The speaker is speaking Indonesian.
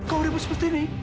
kau udah jadi seperti ini